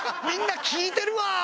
みんな聞いてるわ！